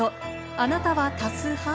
あなたは多数派？